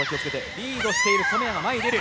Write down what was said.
リードしている染谷が前に出る。